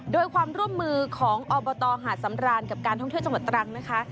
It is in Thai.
โดยความร่วมมือของอบตหาดสำรานกับการท่องเที่ยวจังหวัดตรังนะคะ